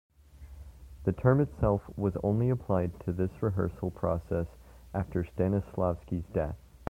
The term itself was only applied to this rehearsal process after Stanislavski's death.